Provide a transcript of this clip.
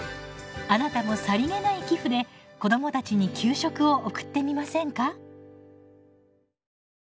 あなたもさりげない寄付で子どもたちに給食を送ってみませんか？